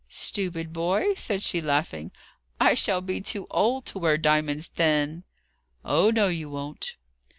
"Stupid boy!" said she laughing. "I shall be too old to wear diamonds then." "Oh no, you won't."